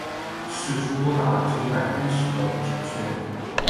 释出多达九百一十个职缺